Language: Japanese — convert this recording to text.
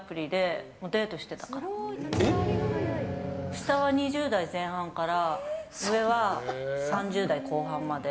下は２０代前半から上は３０代後半まで。